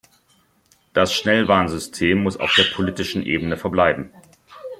Das Schnellwarnsystem muss auf der politischen Ebene verbleiben.